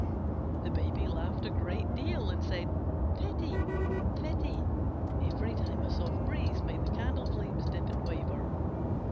The Baby laughed a great deal and said "Pitty! Pitty!" every time a soft breeze made the candle flames dip and waver.